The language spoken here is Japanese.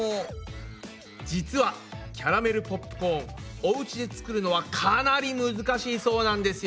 実はキャラメルポップコーンおうちで作るのはかなり難しいそうなんですよ。